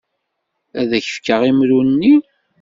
Ad ak-fkeɣ imru-nni.